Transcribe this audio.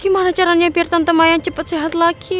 gimana caranya biar tante mayang cepat sehat lagi ya